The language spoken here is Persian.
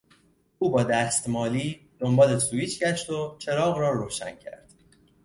او با دست مالی دنبال سوییچ گشت و چراغ را روشن کرد.